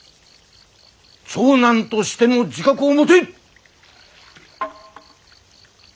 長男としての自覚を持て！